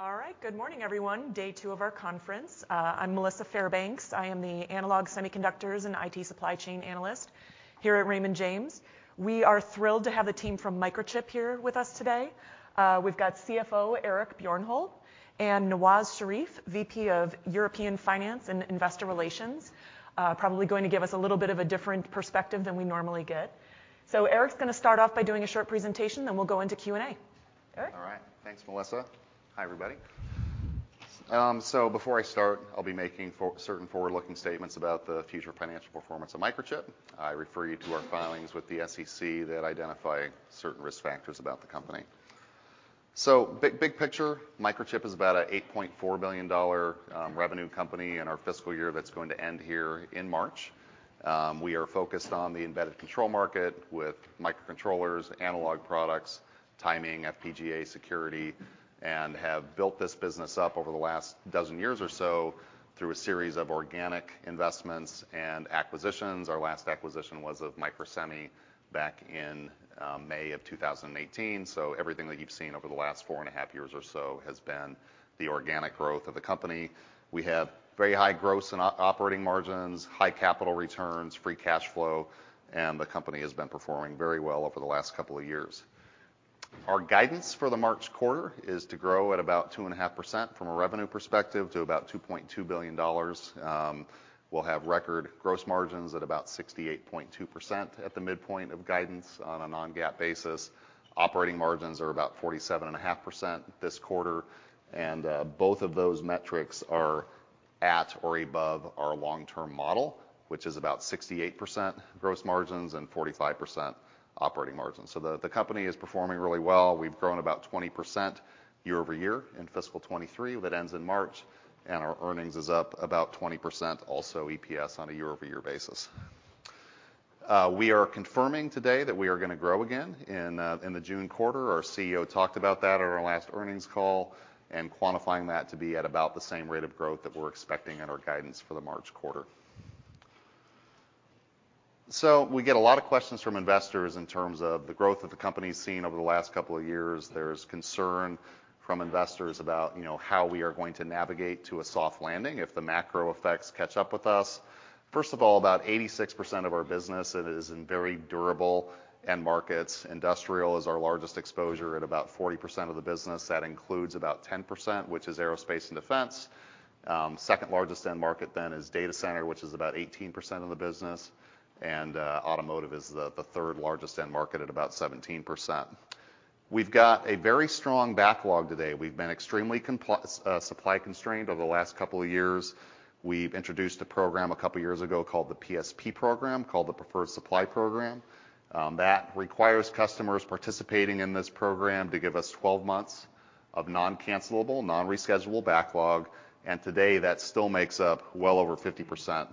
All right. Good morning, everyone. Day two of our conference. I'm Melissa Fairbanks. I am the analog semiconductors and IT supply chain analyst here at Raymond James. We are thrilled to have the team from Microchip here with us today. we've got CFO Eric Bjornholt and Nawaz Sharif, VP of European Finance and Investor Relations. probably going to give us a little bit of a different perspective than we normally get. Eric's gonna start off by doing a short presentation, then we'll go into Q&A. Eric? All right. Thanks, Melissa. Hi, everybody. Before I start, I'll be making for-certain forward-looking statements about the future financial performance of Microchip. I refer you to our filings with the SEC that identify certain risk factors about the company. Big, big picture, Microchip is about an $8.4 billion revenue company in our fiscal year that's going to end here in March. We are focused on the embedded control market with microcontrollers, analog products, timing, FPGAs, security, and have built this business up over the last 12 years or so through a series of organic investments and acquisitions. Our last acquisition was of Microsemi back in May of 2018. Everything that you've seen over the last four and a half years or so has been the organic growth of the company. We have very high gross and operating margins, high capital returns, free cash flow, and the company has been performing very well over the last couple of years. Our guidance for the March quarter is to grow at about 2.5% from a revenue perspective to about $2.2 billion. We'll have record gross margins at about 68.2% at the midpoint of guidance on a non-GAAP basis. Operating margins are about 47.5% this quarter, and both of those metrics are at or above our long-term model, which is about 68% gross margins and 45% operating margins. The company is performing really well. We've grown about 20% year-over-year in fiscal 2023 that ends in March, and our earnings is up about 20%, also EPS on a year-over-year basis. We are confirming today that we are gonna grow again in the June quarter. Our CEO talked about that on our last earnings call and quantifying that to be at about the same rate of growth that we're expecting in our guidance for the March quarter. We get a lot of questions from investors in terms of the growth that the company's seen over the last couple of years. There's concern from investors about, you know, how we are going to navigate to a soft landing if the macro effects catch up with us. First of all, about 86% of our business is in very durable end markets. Industrial is our largest exposure at about 40% of the business. That includes about 10%, which is aerospace and defense. Second largest end market is data center, which is about 18% of the business. Automotive is the third largest end market at about 17%.We've got a very strong backlog today. We've been extremely supply constrained over the last couple of years. We've introduced a program a couple of years ago called the PSP program, called the Preferred Supply Program. That requires customers participating in this program to give us 12 months of non-cancellable, non-reschedule backlog, and today that still makes up well over 50% of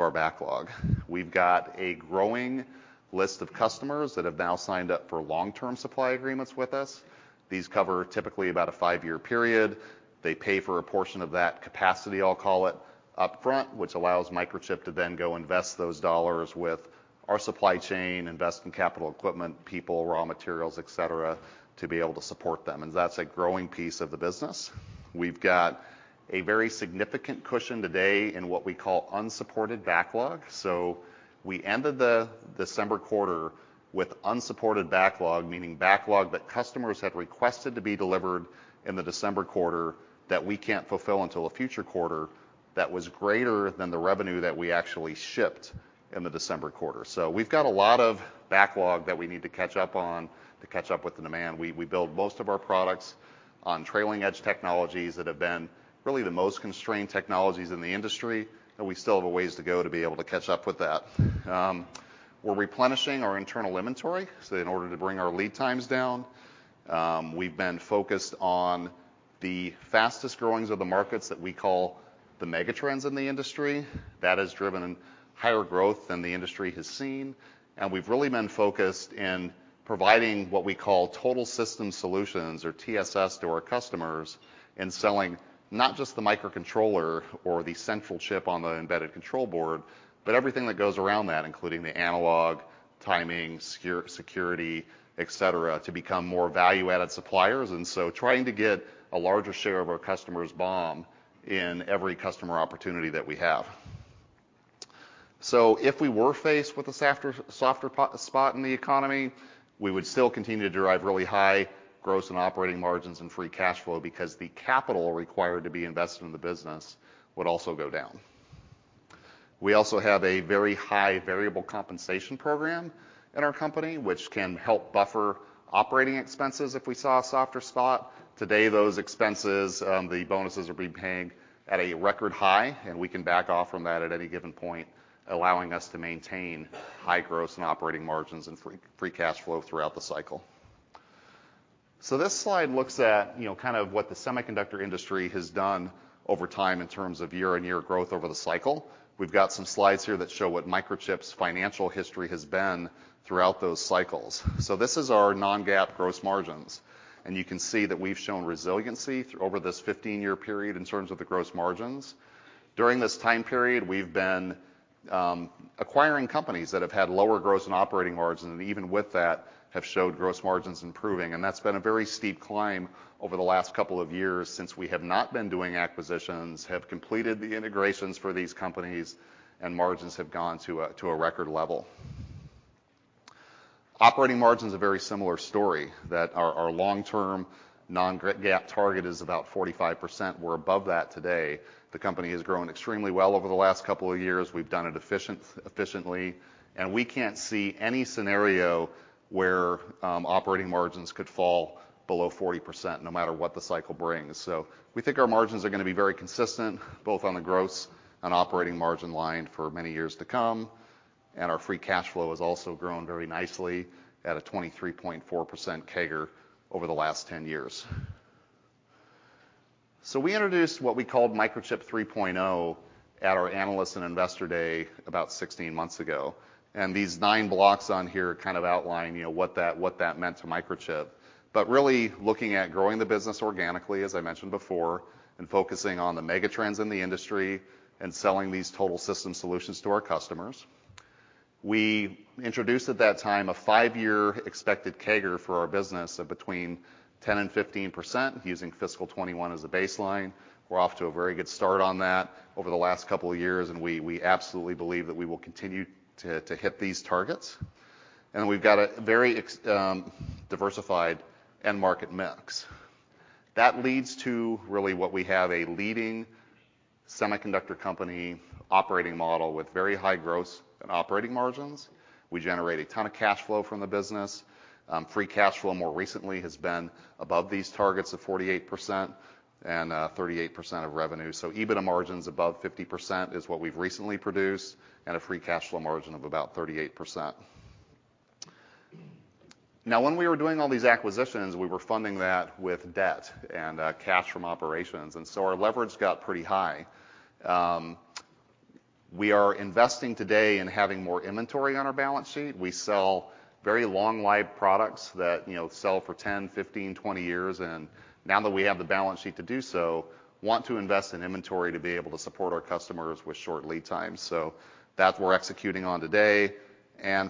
our backlog. We've got a growing list of customers that have now signed up for long-term supply agreements with us. These cover typically about a 5-year period. They pay for a portion of that capacity, I'll call it, upfront, which allows Microchip to then go invest those dollars with our supply chain, invest in capital equipment, people, raw materials, et cetera, to be able to support them. That's a growing piece of the business. We've got a very significant cushion today in what we call unsupported backlog. We ended the December quarter with unsupported backlog, meaning backlog that customers had requested to be delivered in the December quarter that we can't fulfill until a future quarter that was greater than the revenue that we actually shipped in the December quarter. We've got a lot of backlog that we need to catch up on to catch up with the demand. We build most of our products on trailing edge technologies that have been really the most constrained technologies in the industry. We still have a ways to go to be able to catch up with that. We're replenishing our internal inventory so in order to bring our lead times down. We've been focused on the fastest growing of the markets that we call the megatrends in the industry. That has driven higher growth than the industry has seen. We've really been focused in providing what we call Total System Solutions or TSS to our customers and selling not just the microcontroller or the central chip on the embedded control board, but everything that goes around that, including the analog, timing, security, et cetera, to become more value-added suppliers, trying to get a larger share of our customers' BOM in every customer opportunity that we have. If we were faced with a softer spot in the economy, we would still continue to derive really high gross and operating margins and free cash flow because the capital required to be invested in the business would also go down. We also have a very high variable compensation program in our company, which can help buffer operating expenses if we saw a softer spot. Today, those expenses, the bonuses will be paying at a record high, we can back off from that at any given point, allowing us to maintain high gross and operating margins and free cash flow throughout the cycle. This slide looks at, you know, kind of what the semiconductor industry has done over time in terms of year-on-year growth over the cycle. We've got some slides here that show what Microchip's financial history has been throughout those cycles. This is our non-GAAP gross margins, you can see that we've shown resiliency over this 15-year period in terms of the gross margins. During this time period, we've been acquiring companies that have had lower gross and operating margins, even with that, have showed gross margins improving. That's been a very steep climb over the last couple of years since we have not been doing acquisitions, have completed the integrations for these companies, and margins have gone to a record level. Operating margin's a very similar story, that our long-term GAAP target is about 45%. We're above that today. The company has grown extremely well over the last couple of years. We've done it efficiently, and we can't see any scenario where operating margins could fall below 40% no matter what the cycle brings. We think our margins are gonna be very consistent, both on the gross and operating margin line, for many years to come. Our free cash flow has also grown very nicely at a 23.4% CAGR over the last 10 years. We introduced what we called Microchip 3.0 at our Analyst and Investor Day about 16 months ago. These 9 blocks on here kind of outline, you know, what that meant to Microchip. Really looking at growing the business organically, as I mentioned before, and focusing on the megatrends in the industry and selling these Total System Solutions to our customers. We introduced at that time a 5-year expected CAGR for our business of between 10% and 15% using fiscal 2021 as a baseline. We're off to a very good start on that over the last couple of years, and we absolutely believe that we will continue to hit these targets. We've got a very diversified end market mix. That leads to really what we have: a leading semiconductor company operating model with very high gross and operating margins. We generate a ton of cash flow from the business. Free cash flow more recently has been above these targets of 48% and 38% of revenue. EBITDA margin's above 50% is what we've recently produced, and a free cash flow margin of about 38%. Now, when we were doing all these acquisitions, we were funding that with debt and cash from operations, and so our leverage got pretty high. We are investing today in having more inventory on our balance sheet. We sell very long-lived products that, you know, sell for 10, 15, 20 years, and now that we have the balance sheet to do so, want to invest in inventory to be able to support our customers with short lead times. That we're executing on today.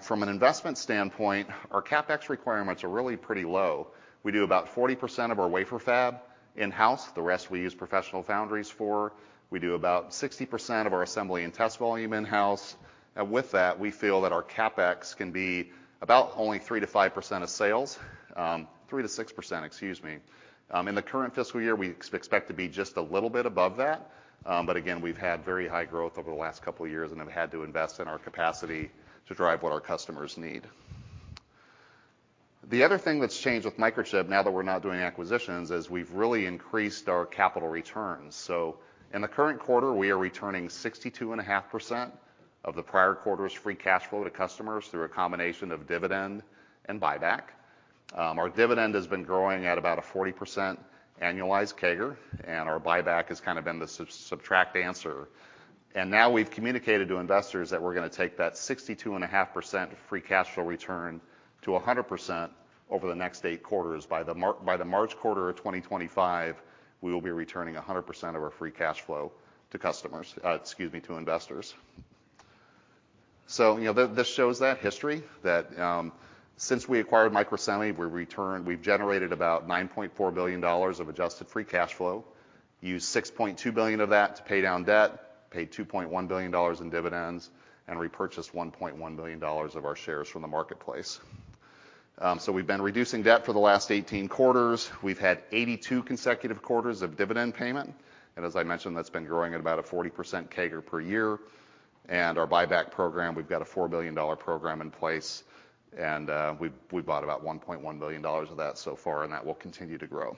From an investment standpoint, our CapEx requirements are really pretty low. We do about 40% of our wafer fab in-house. The rest we use professional foundries for. We do about 60% of our assembly and test volume in-house. With that, we feel that our CapEx can be about only 3%-5% of sales. 3%-6%, excuse me. In the current fiscal year, we expect to be just a little bit above that. Again, we've had very high growth over the last couple of years and have had to invest in our capacity to drive what our customers need. The other thing that's changed with Microchip now that we're not doing acquisitions is we've really increased our capital returns. In the current quarter, we are returning 62 and a half% of the prior quarter's free cash flow to customers through a combination of dividend and buyback. Our dividend has been growing at about a 40% annualized CAGR, and our buyback has kind of been the sub-subtract answer. Now we've communicated to investors that we're gonna take that 62 and a half% free cash flow return to 100% over the next 8 quarters. By the March quarter of 2025, we will be returning 100% of our free cash flow to customers. Excuse me, to investors. You know, this shows that history that since we acquired Microsemi, we've generated about $9.4 billion of adjusted free cash flow, used $6.2 billion of that to pay down debt, paid $2.1 billion in dividends, and repurchased $1.1 billion of our shares from the marketplace. We've been reducing debt for the last 18 quarters. We've had 82 consecutive quarters of dividend payment, and as I mentioned, that's been growing at about a 40% CAGR per year. Our buyback program, we've got a $4 billion program in place, and we've bought about $1.1 billion of that so far, and that will continue to grow.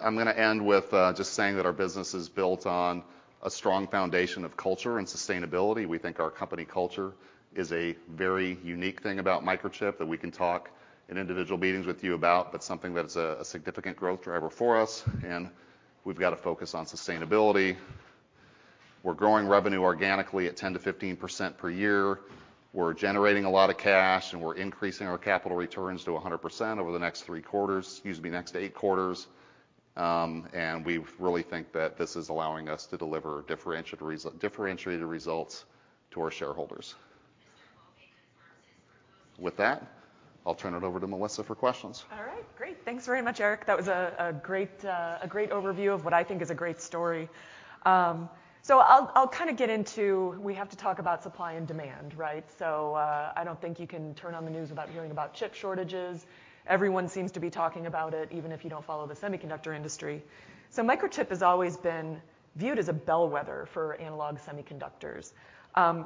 I'm gonna end with just saying that our business is built on a strong foundation of culture and sustainability. We think our company culture is a very unique thing about Microchip that we can talk in individual meetings with you about, but something that is a significant growth driver for us. We've got to focus on sustainability. We're growing revenue organically at 10%-15% per year. We're generating a lot of cash, and we're increasing our capital returns to 100% over the next 3 quarters, excuse me, next 8 quarters. We really think that this is allowing us to deliver differentiated results to our shareholders. With that, I'll turn it over to Melissa for questions. All right. Great. Thanks very much, Eric. That was a great overview of what I think is a great story. I'll kind of get into, we have to talk about supply and demand, right? I don't think you can turn on the news without hearing about chip shortages. Everyone seems to be talking about it, even if you don't follow the semiconductor industry. Microchip has always been viewed as a bellwether for analog semiconductors.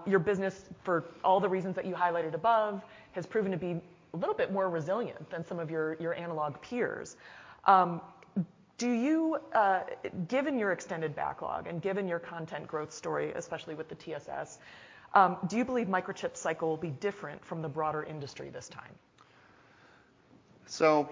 Your business, for all the reasons that you highlighted above, has proven to be a little bit more resilient than some of your analog peers. Do you, given your extended backlog and given your content growth story, especially with the TSS, do you believe Microchip's cycle will be different from the broader industry this time?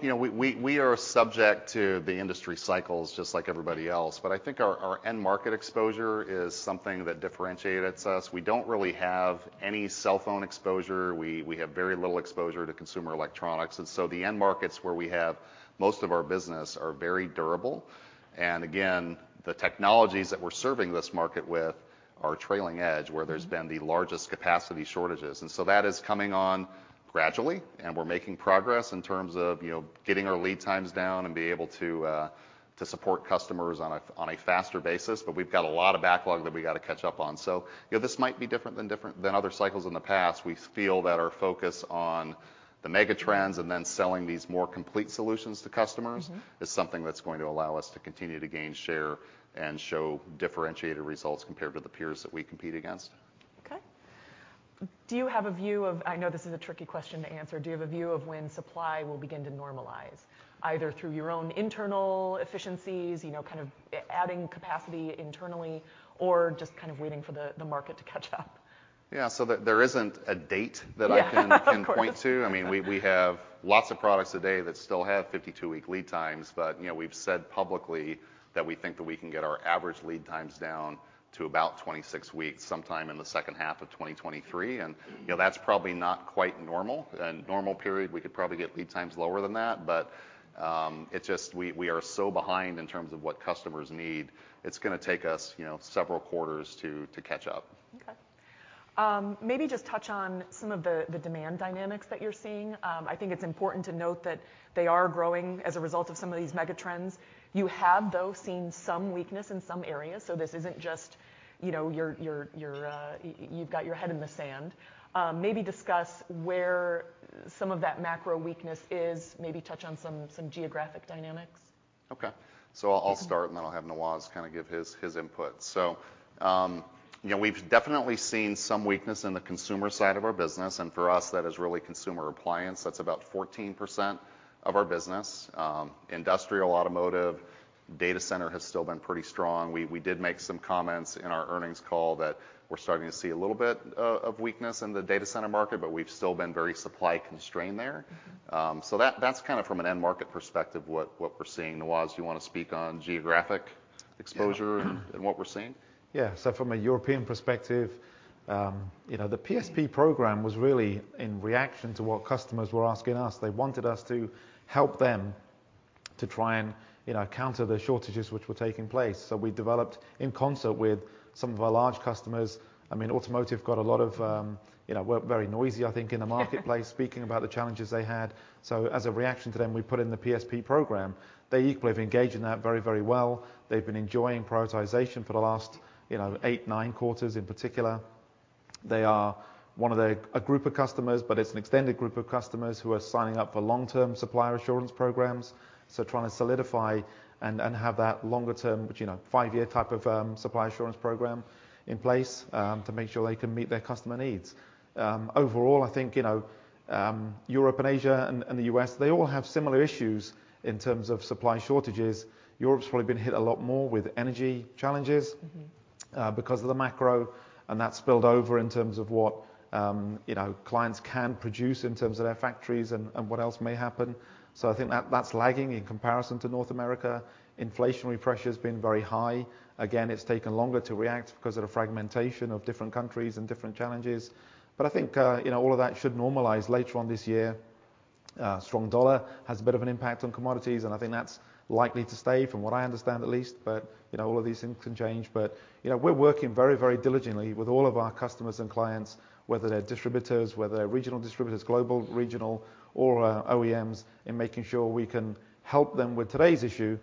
You know, we are subject to the industry cycles just like everybody else, but I think our end market exposure is something that differentiates us. We don't really have any cell phone exposure. We have very little exposure to consumer electronics. The end markets where we have most of our business are very durable. The technologies that we're serving this market with. Our trailing edge where there's been the largest capacity shortages. That is coming on gradually, and we're making progress in terms of, you know, getting our lead times down and being able to support customers on a faster basis. We've got a lot of backlog that we gotta catch up on. You know, this might be different than other cycles in the past. We feel that our focus on the megatrends and then selling these more complete solutions to customers. Mm-hmm. Is something that's going to allow us to continue to gain share and show differentiated results compared to the peers that we compete against. Okay. I know this is a tricky question to answer. Do you have a view of when supply will begin to normalize, either through your own internal efficiencies, you know, kind of adding capacity internally, or just kind of waiting for the market to catch up? Yeah. There isn't a date that I. Yeah. Of course. Can point to. I mean, we have lots of products today that still have 52-week lead times but, you know, we've said publicly that we think that we can get our average lead times down to about 26 weeks sometime in the second half of 2023. You know, that's probably not quite normal. In a normal period, we could probably get lead times lower than that, but we are so behind in terms of what customers need, it's gonna take us, you know, several quarters to catch up. Maybe just touch on some of the demand dynamics that you're seeing. I think it's important to note that they are growing as a result of some of these megatrends. You have, though, seen some weakness in some areas, so this isn't just, you know, you're, you've got your head in the sand. Maybe discuss where some of that macro weakness is. Maybe touch on some geographic dynamics. Okay. I'll start. Okay. I'll have Nawaz kind of give his input. You know, we've definitely seen some weakness in the consumer side of our business, and for us, that is really consumer appliance. That's about 14% of our business. Industrial, automotive, data center has still been pretty strong. We did make some comments in our earnings call that we're starting to see a little bit of weakness in the data center market, we've still been very supply constrained there. Mm-hmm. That's kind of from an end market perspective what we're seeing. Nawaz, do you wanna speak on geographic exposure? Yeah. And what we're seeing? From a European perspective, you know, the PSP program was really in reaction to what customers were asking us. They wanted us to help them to try and, you know, counter the shortages which were taking place. We developed in concert with some of our large customers. I mean, automotive got a lot of, you know, were very noisy, I think, speaking about the challenges they had. As a reaction to them, we put in the PSP program. They equally have engaged in that very, very well. They've been enjoying prioritization for the last, you know, eight, nine quarters in particular. They are one of a group of customers, but it's an extended group of customers who are signing up for long-term supplier assurance programs, so trying to solidify and have that longer term, which, you know, 5-year type of supply assurance program in place, to make sure they can meet their customer needs. Overall, I think, you know, Europe and Asia and the U.S., they all have similar issues in terms of supply shortages. Europe's probably been hit a lot more with energy challenges. Mm-hmm. Because of the macro, and that spilled over in terms of what, you know, clients can produce in terms of their factories and what else may happen. I think that's lagging in comparison to North America. Inflationary pressure's been very high. Again, it's taken longer to react because of the fragmentation of different countries and different challenges. I think, you know, all of that should normalize later on this year. Strong dollar has a bit of an impact on commodities, and I think that's likely to stay from what I understand at least. You know, all of these things can change. You know, we're working very, very diligently with all of our customers and clients, whether they're distributors, whether they're regional distributors, global, regional, or OEMs, in making sure we can help them with today's issue,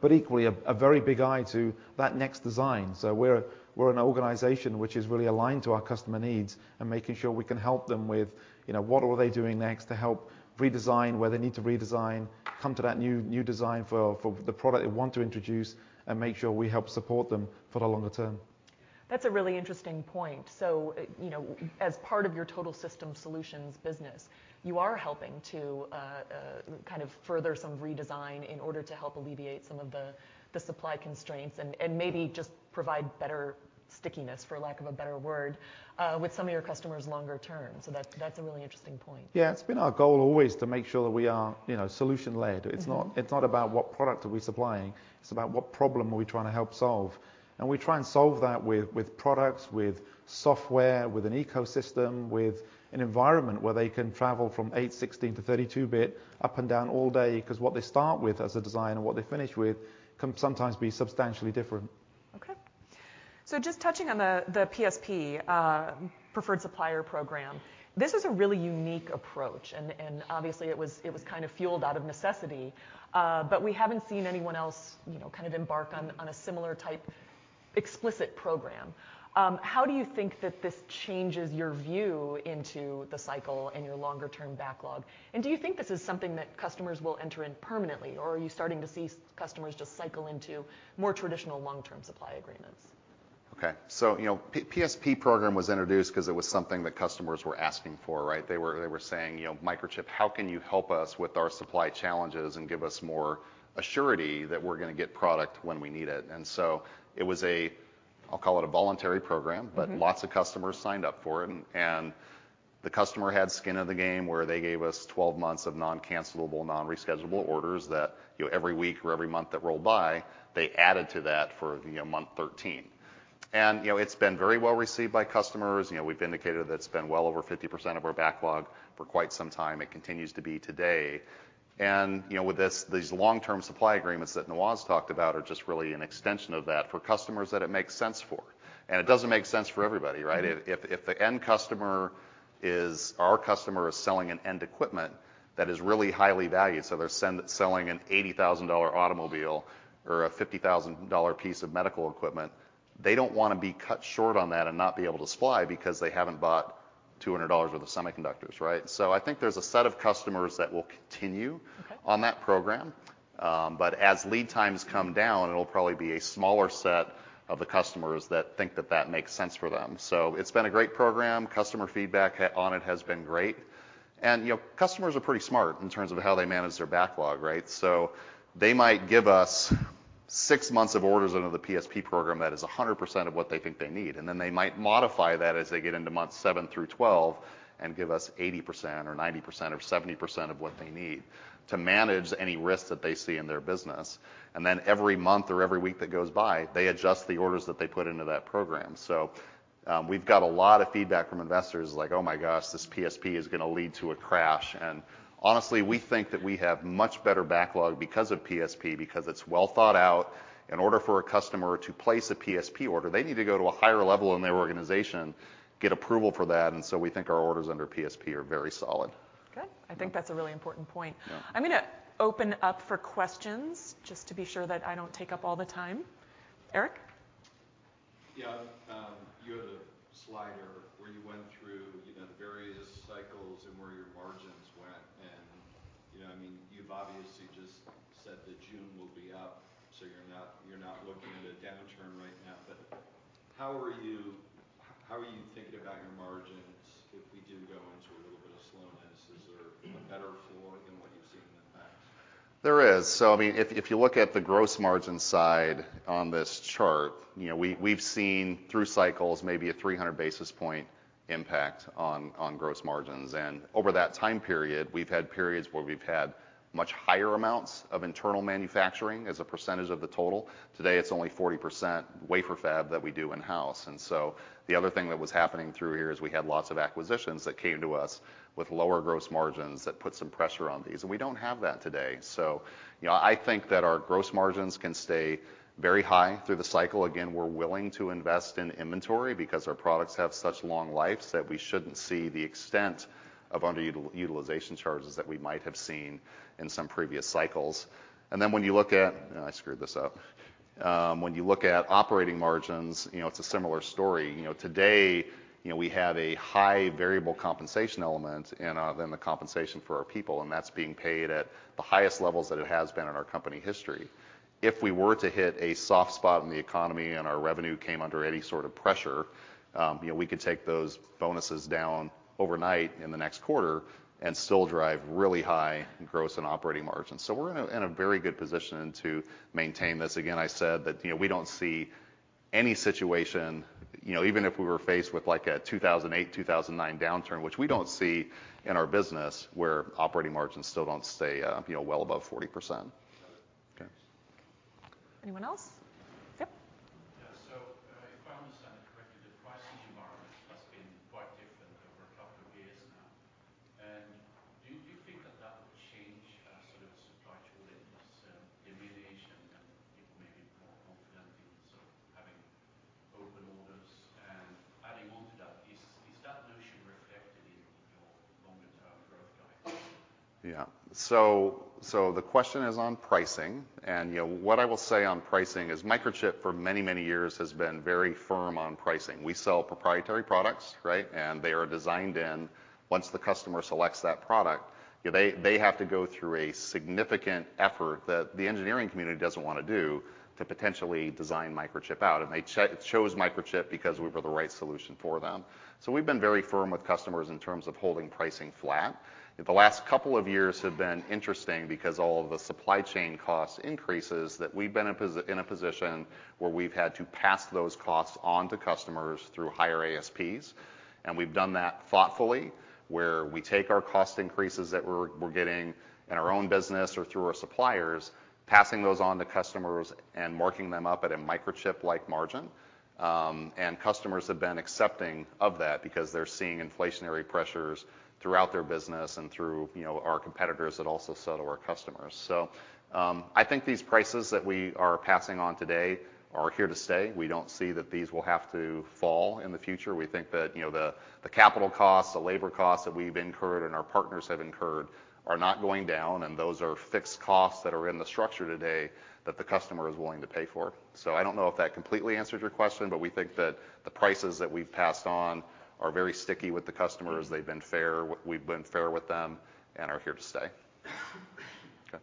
but equally a very big eye to that next design. We're an organization which is really aligned to our customer needs and making sure we can help them with, you know, what are they doing next to help redesign where they need to redesign, come to that new design for the product they want to introduce and make sure we help support them for the longer term. That's a really interesting point. you know, as part of your Total System Solutions business, you are helping to kind of further some redesign in order to help alleviate some of the supply constraints and maybe just provide better stickiness, for lack of a better word, with some of your customers longer term. That's a really interesting point. Yeah. It's been our goal always to make sure that we are, you know, solution-led. Mm-hmm. It's not about what product are we supplying, it's about what problem are we trying to help solve. We try and solve that with products, with software, with an ecosystem, with an environment where they can travel from 8, 16-32 bit up and down all day, 'cause what they start with as a design and what they finish with can sometimes be substantially different. Okay. Just touching on the PSP, Preferred Supplier Program, this is a really unique approach and obviously it was, it was kind of fueled out of necessity, but we haven't seen anyone else, you know, kind of embark on a similar type explicit program. How do you think that this changes your view into the cycle and your longer term backlog? Do you think this is something that customers will enter in permanently, or are you starting to see customers just cycle into more traditional long-term supply agreements? You know, PSP program was introduced 'cause it was something that customers were asking for, right? They were saying, you know, "Microchip, how can you help us with our supply challenges and give us more assurity that we're gonna get product when we need it?" It was a, I'll call it a voluntary program. Mm-hmm. But lots of customers signed up for it, and the customer had skin in the game where they gave us 12 months of non-cancellable, non-reschedule orders that, you know, every week or every month that rolled by, they added to that for, you know, month 13. You know, it's been very well-received by customers. You know, we've indicated that it's been well over 50% of our backlog for quite some time. It continues to be today. You know, with this, these long-term supply agreements that Nawaz's talked about are just really an extension of that for customers that it makes sense for. It doesn't make sense for everybody, right? Mm-hmm. If the end customer is our customer selling an end equipment that is really highly valued, so they're selling an $80,000 automobile or a $50,000 piece of medical equipment, they don't wanna be cut short on that and not be able to supply because they haven't bought $200 worth of semiconductors, right? I think there's a set of customers that will continue. Okay. On that program. As lead times come down, it'll probably be a smaller set of the customers that think that that makes sense for them. It's been a great program. Customer feedback on it has been great. You know, customers are pretty smart in terms of how they manage their backlog, right? They might give us 6 months of orders under the PSP program that is 100% of what they think they need, and then they might modify that as they get into month 7 through 12 and give us 80% or 90% or 70% of what they need to manage any risks that they see in their business. Every month or every week that goes by, they adjust the orders that they put into that program. We've got a lot of feedback from investors like, "Oh, my gosh, this PSP is gonna lead to a crash." Honestly, we think that we have much better backlog because of PSP because it's well thought out. In order for a customer to place a PSP order, they need to go to a higher level in their organization, get approval for that, and so we think our orders under PSP are very solid. Okay. I think that's a really important point. Yeah. I'm gonna open up for questions, just to be sure that I don't take up all the time. Eric? Yeah. You had a slide where you went through, you know, the various cycles and where your margins went. You know, I mean, you've obviously just said that June will be up, so you're not, you're not looking at a downturn right now. How are you, how are you thinking about your margins if we do go into a little bit of slowness? Is there a better floor than what you've seen in the past? There is. I mean, if you look at the gross margin side on this chart, you know, we've seen through cycles maybe a 300 basis point impact on gross margins. Over that time period, we've had periods where we've had much higher amounts of internal manufacturing as a percentage of the total. Today it's only 40% wafer fab that we do in-house. The other thing that was happening through here is we had lots of acquisitions that came to us with lower gross margins that put some pressure on these, and we don't have that today. You know, I think that our gross margins can stay very high through the cycle. We're willing to invest in inventory because our products have such long lives that we shouldn't see the extent of underutilization charges that we might have seen in some previous cycles. I screwed this up. When you look at operating margins, you know, it's a similar story. You know, today, you know, we have a high variable compensation element in than the compensation for our people, and that's being paid at the highest levels that it has been in our company history. If we were to hit a soft spot in the economy, and our revenue came under any sort of pressure, you know, we could take those bonuses down overnight in the next quarter and still drive really high gross and operating margins. We're in a very good position to maintain this. I said that, you know, we don't see any situation, you know, even if we were faced with like a 2008, 2009 downturn, which we don't see in our business, where operating margins still don't stay, you know, well above 40%. Got it. Okay. Anyone else? Yep. Yeah. If I understand it correctly, the pricing environment has been quite different over 2 years now. Do you think that that will change, sort of supply chain risk, remediation, and people may be more confident in sort of having open orders? Adding on to that, is that notion reflected in your longer term growth guidance? Yeah. The question is on pricing. You know, what I will say on pricing is Microchip for many, many years has been very firm on pricing. We sell proprietary products, right? They are designed in, once the customer selects that product, you know, they have to go through a significant effort that the engineering community doesn't wanna do to potentially design Microchip out. They chose Microchip because we were the right solution for them. We've been very firm with customers in terms of holding pricing flat. The last couple of years have been interesting because all of the supply chain cost increases that we've been in a position where we've had to pass those costs on to customers through higher ASPs. We've done that thoughtfully, where we take our cost increases that we're getting in our own business or through our suppliers, passing those on to customers and marking them up at a Microchip-like margin. Customers have been accepting of that because they're seeing inflationary pressures throughout their business and through, you know, our competitors that also sell to our customers. I think these prices that we are passing on today are here to stay. We don't see that these will have to fall in the future. We think that, you know, the capital costs, the labor costs that we've incurred and our partners have incurred are not going down, and those are fixed costs that are in the structure today that the customer is willing to pay for. I don't know if that completely answers your question, but we think that the prices that we've passed on are very sticky with the customers. They've been fair, we've been fair with them and are here to stay. Okay.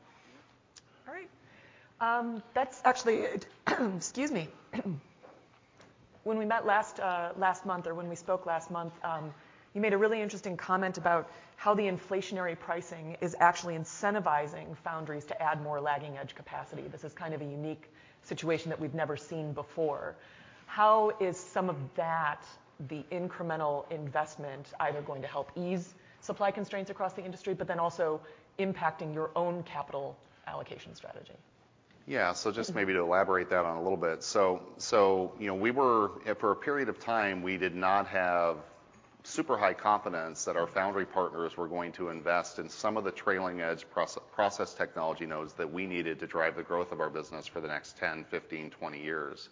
All right. That's actually it. Excuse me. When we met last last month or when we spoke last month, you made a really interesting comment about how the inflationary pricing is actually incentivizing foundries to add more trailing edge capacity. This is kind of a unique situation that we've never seen before. How is some of that, the incremental investment, either going to help ease supply constraints across the industry, but then also impacting your own capital allocation strategy? Yeah. Just maybe to elaborate that on a little bit. You know, we were for a period of time, we did not have super high confidence that our foundry partners were going to invest in some of the trailing edge process technology nodes that we needed to drive the growth of our business for the next 10, 15, 20 years.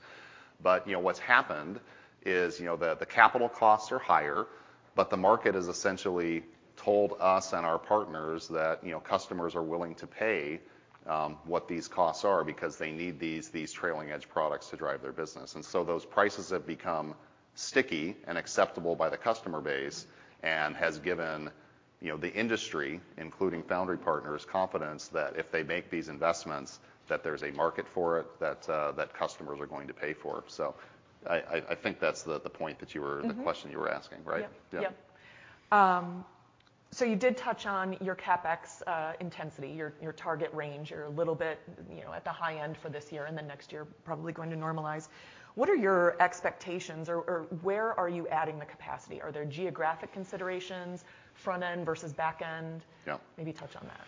You know, what's happened is, you know, the capital costs are higher, but the market has essentially told us and our partners that, you know, customers are willing to pay what these costs are because they need these trailing edge products to drive their business. Those prices have become sticky and acceptable by the customer base and has given, you know, the industry, including foundry partners, confidence that if they make these investments, that there's a market for it, that customers are going to pay for. I think that's the point. Mm-hmm. The question you were asking, right? Yep. Yeah. Yep. You did touch on your CapEx intensity, your target range. You're a little bit, you know, at the high end for this year, next year probably going to normalize. What are your expectations, or where are you adding the capacity? Are there geographic considerations, front end versus back end? Yep. Maybe touch on that.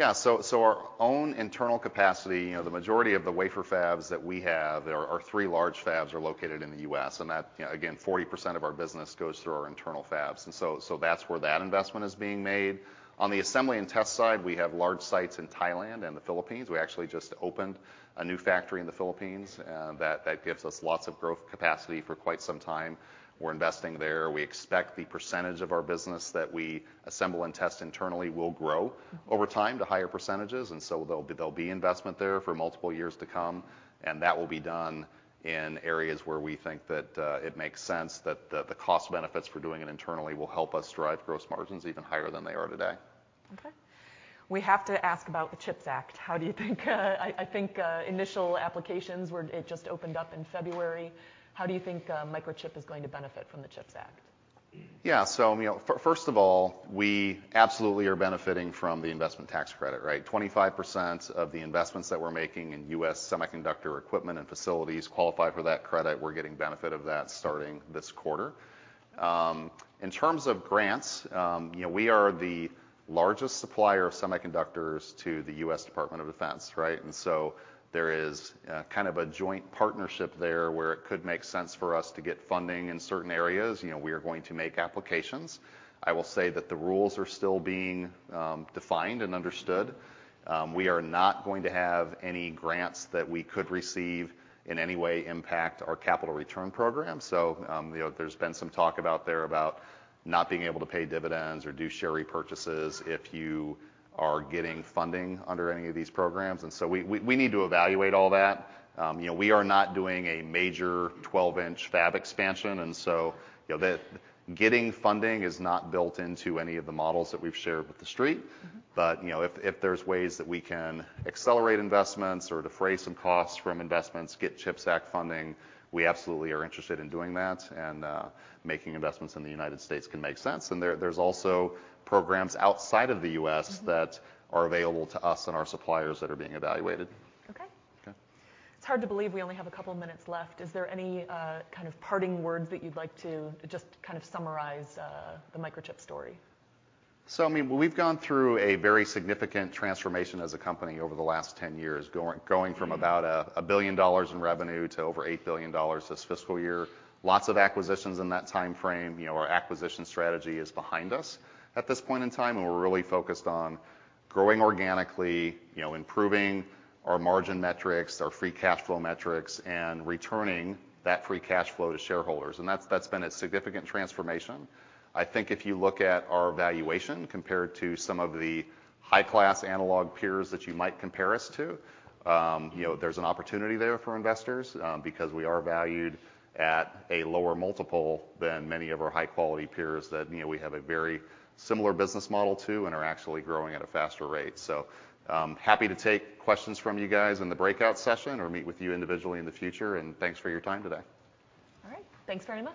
Our own internal capacity, you know, the majority of the wafer fabs that we have, our three large fabs are located in the U.S. That, you know, again, 40% of our business goes through our internal fabs, and so that's where that investment is being made. On the assembly and test side, we have large sites in Thailand and the Philippines. We actually just opened a new factory in the Philippines, that gives us lots of growth capacity for quite some time. We're investing there. We expect the percentage of our business that we assemble and test internally will grow over time to higher percentages. There'll be investment there for multiple years to come, and that will be done in areas where we think that it makes sense that the cost benefits for doing it internally will help us drive gross margins even higher than they are today. Okay. We have to ask about the CHIPS Act. How do you think initial applications just opened up in February? How do you think Microchip is going to benefit from the CHIPS Act? You know, first of all, we absolutely are benefiting from the investment tax credit, right? 25% of the investments that we're making in U.S. semiconductor equipment and facilities qualify for that credit. We're getting benefit of that starting this quarter. In terms of grants, you know, we are the largest supplier of semiconductors to the U.S. Department of Defense, right? There is kind of a joint partnership there, where it could make sense for us to get funding in certain areas. You know, we are going to make applications. I will say that the rules are still being defined and understood. We are not going to have any grants that we could receive in any way impact our capital return program. You know, there's been some talk about there about not being able to pay dividends or do share repurchases if you are getting funding under any of these programs. We need to evaluate all that. You know, we are not doing a major 12-inch fab expansion and so, you know, the getting funding is not built into any of the models that we've shared with the Street. Mm-hmm. You know, if there's ways that we can accelerate investments or defray some costs from investments, get CHIPS Act funding, we absolutely are interested in doing that. Making investments in the United States can make sense, and there's also programs outside of the U.S. Mm-hmm. that are available to us and our suppliers that are being evaluated. Okay. Okay. It's hard to believe we only have a couple of minutes left. Is there any kind of parting words that you'd like to just kind of summarize the Microchip story? I mean, we've gone through a very significant transformation as a company over the last 10 years, going from about a $1 billion in revenue to over $8 billion this fiscal year. Lots of acquisitions in that timeframe. You know, our acquisition strategy is behind us at this point in time, and we're really focused on growing organically, you know, improving our margin metrics, our free cash flow metrics, and returning that free cash flow to shareholders, and that's been a significant transformation. I think if you look at our valuation compared to some of the high-class analog peers that you might compare us to, you know, there's an opportunity there for investors, because we are valued at a lower multiple than many of our high-quality peers that, you know, we have a very similar business model to and are actually growing at a faster rate. Happy to take questions from you guys in the breakout session or meet with you individually in the future. Thanks for your time today. All right. Thanks very much.